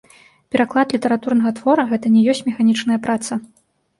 Пераклад літаратурнага твора гэта не ёсць механічная праца.